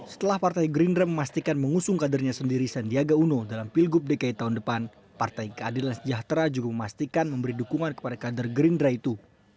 setelah partai gerindra memastikan mengusung kadernya sendiri sandiaga uno dalam pilgub dki tahun depan partai keadilan sejahtera juga memastikan memberi dukungan kepada kader gerindra itu